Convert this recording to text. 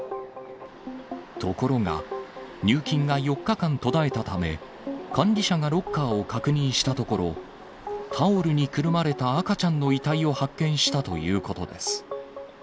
ところが、入金が４日間途絶えたため、管理者がロッカーを確認したところ、タオルにくるまれた赤ちゃんの遺体を発見したということです。